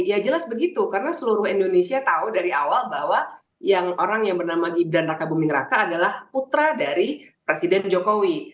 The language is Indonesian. ya jelas begitu karena seluruh indonesia tahu dari awal bahwa yang orang yang bernama gibran raka buming raka adalah putra dari presiden jokowi